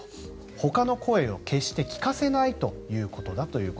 ほかの声を消して聞かせないということだと。